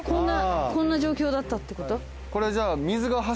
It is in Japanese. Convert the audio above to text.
こんな状況だったって事？